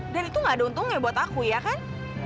dan itu gak ada untungnya buat aku ya kan